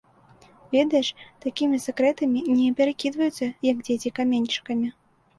Ведаеш, такімі сакрэтамі не перакідваюцца, як дзеці каменьчыкамі.